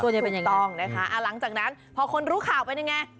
จะเป็นยังไงต้องนะคะหลังจากนั้นพอคนรู้ข่าวเป็นยังไง